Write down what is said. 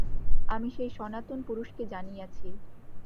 আমি সেই সনাতন পুরুষকে জানিয়াছি।